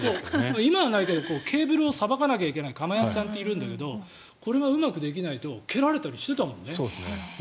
今はないけどケーブルをさばかないといけないカメアシさんっているんだけどこれがうまくできないと蹴られたりしてたもんね。